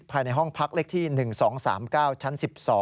ภายในห้องพักเลขที่๑๒๓๙ชั้น๑๒